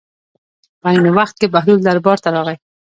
په عین وخت کې بهلول دربار ته راغی.